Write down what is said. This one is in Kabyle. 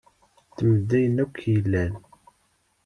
Ddem ayen akk i yellan.